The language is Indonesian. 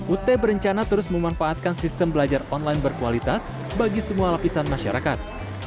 ut berencana terus memanfaatkan sistem belajar online berkualitas bagi semua lapisan masyarakat